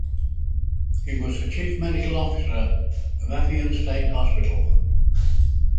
He was the Chief Medical Officer of Afyon State Hospital.